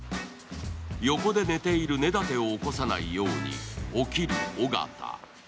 横で寝ている根建を起こさないように起きる尾形。